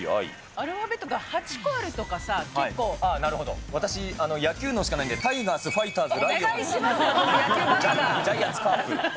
アルファベットが８個あると私、野球脳しかないので、タイガース、ファイターズ、ライオンズ、ジャイアンツ、カープ。